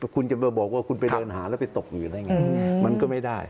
คุณจะมาบอกว่าคุณไปเดินหาแล้วไปตกอยู่ได้ไงมันก็ไม่ได้